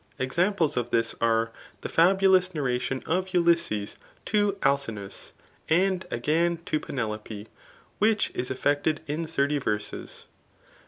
Examples of this are, the fabulous narration of Ulysses to Alcinous, and again to Penelope, which is effected in thirty verses.